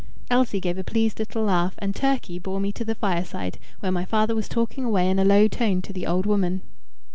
Elsie gave a pleased little laugh; and Turkey bore me to the fireside, where my father was talking away in a low tone to the old woman.